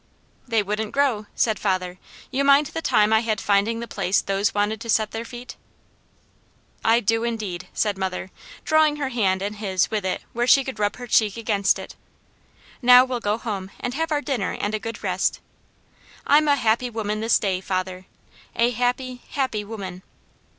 "They wouldn't grow," said father. "You mind the time I had finding the place those wanted to set their feet?" "I do indeed!" said mother, drawing her hand and his with it where she could rub her cheek against it. "Now we'll go home and have our dinner and a good rest. I'm a happy woman this day, father, a happy, happy woman.